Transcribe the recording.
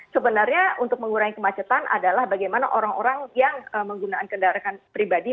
sebenarnya untuk mengurangi kemacetan adalah bagaimana orang orang yang menggunakan kendaraan pribadi